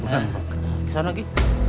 eh kesana lagi